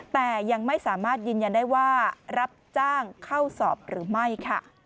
แต่ยังไม่สามารถยืนยันได้ว่ารับจ้างเข้าสอบหรือไม่ค่ะ